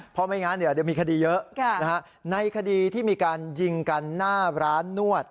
เพราะไม่งั้นเดี๋ยวมีคดีเยอะในคดีที่มีการยิงกันหน้าร้านนวด